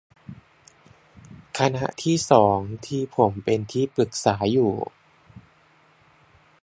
คณะที่สอง ที่ผมเป็นที่ปรึกษาอยู่